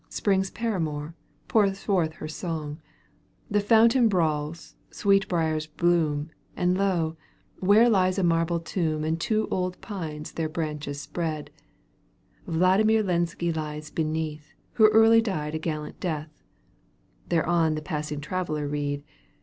Spring's paramour, pours forth her song The fountain brawls, sweetbriers bloom. And lo ! where lies a marble tomb And two old pines their branches spread *' VloMmir ZensJd lies beneath, WTio early died a gallant death" Thereon the passing traveller read :" T?